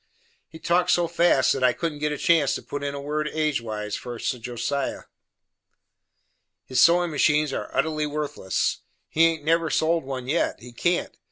He talked so fast that I couldn't git a chance to put in a word age ways for Josiah. "His sewin' machines are utterly worthless; he haint never sold one yet; he cant.